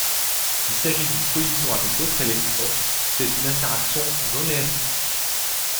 Il s'agit de collisions avec d'autres électrons, c'est une interaction non élastique.